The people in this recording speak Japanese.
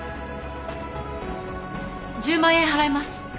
１０万円払います。